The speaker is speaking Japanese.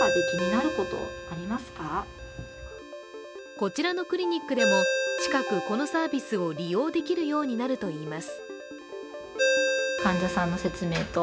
こちらのクリニックでも近く、このサービスを利用できるようになるといいます。